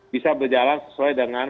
bisa berjalan sesuai dengan